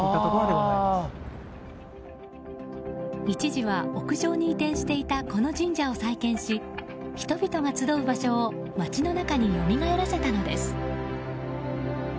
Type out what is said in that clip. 一時は屋上に移転していたこの神社を再建し人々が集う場所を街の中によみがえらせたのです。